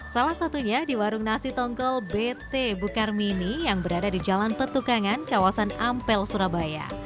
salah satunya di warung nasi tongkol bt bukar mini yang berada di jalan petukangan kawasan ampel surabaya